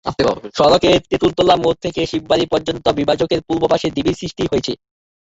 সড়কের তেঁতুলতলা মোড় থেকে শিববাড়ি পর্যন্ত বিভাজকের পূর্ব পাশে ঢিবির সৃষ্টি হয়েছে।